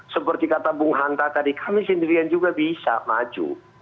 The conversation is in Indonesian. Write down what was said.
seperti kata bung hanta tadi kami sendirian juga bisa maju